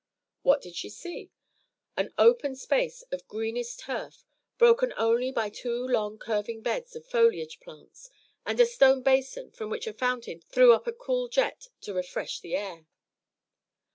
What did she see? An open space of greenest turf, broken only by two long curving beds of foliage plants and a stone basin from which a fountain threw up a cool jet to refresh the air.